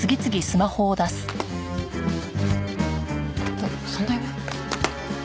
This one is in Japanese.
えっ３台目？